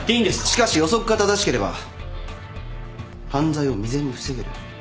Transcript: しかし予測が正しければ犯罪を未然に防げる。